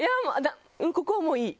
ここはもういい。